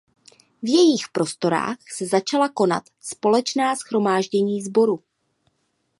V jejích prostorách se začala konat společná shromáždění sboru.